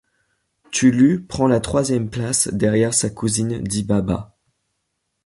Tulu prend la troisième place derrière sa cousine Dibaba.